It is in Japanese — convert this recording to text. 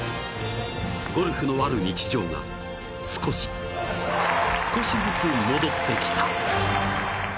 ゴルフのある日常が少し、少しずつ戻ってきた。